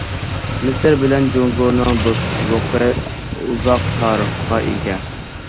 مىسىر بىلەن جۇڭگونىڭ دوستلۇقى ئۇزاق تارىخقا ئىگە.